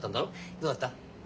どうだった？